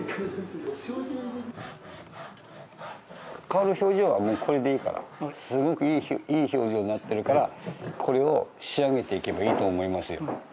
顔の表情はもうこれでいいからすごくいい表情になってるからこれを仕上げていけばいいと思いますよ。